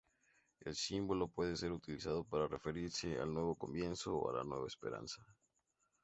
El símbolo puede ser utilizado para referirse al "nuevo comienzo" o la "esperanza".